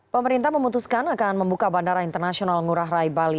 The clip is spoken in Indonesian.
pemerintah memutuskan akan membuka bandara internasional ngurah rai bali